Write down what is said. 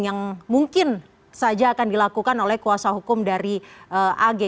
yang mungkin saja akan dilakukan oleh kuasa hukum dari ag